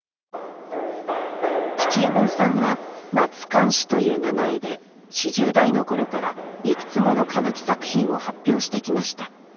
吉右衛門さんは松貫四という名前で４０代の頃からいくつもの歌舞伎作品を発表してきました。